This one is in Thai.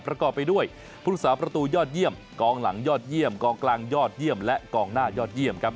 ประกอบไปด้วยผู้รักษาประตูยอดเยี่ยมกองหลังยอดเยี่ยมกองกลางยอดเยี่ยมและกองหน้ายอดเยี่ยมครับ